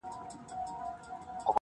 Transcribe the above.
درد په حافظه کي پاتې کيږي,